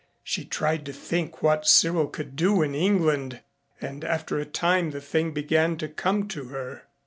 She tried to think what Cyril could do in England and after a time the thing began to come to her.